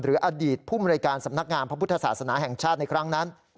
อดีตผู้มนวยการสำนักงานพระพุทธศาสนาแห่งชาติในครั้งนั้น